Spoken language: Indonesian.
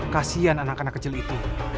kasian anak anak kecil itu